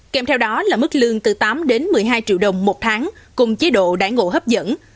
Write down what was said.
kèm theo đó là mức lương từ tám đến một mươi hai triệu đồng một tháng cùng chế độ đại ngộ hấp dẫn